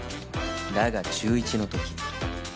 だが中１の時